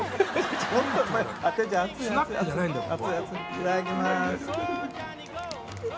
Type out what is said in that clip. いただきます！